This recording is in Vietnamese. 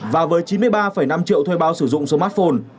và với chín mươi ba năm triệu thuê bao sử dụng smartphone